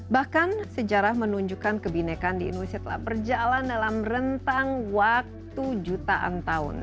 bahkan sejarah menunjukkan kebinekaan di indonesia telah berjalan dalam rentang waktu jutaan tahun